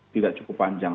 tidak cukup panjang